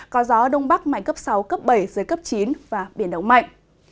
có gió đông bắc mạnh cấp sáu cấp bảy giới cấp chín và biển động mạnh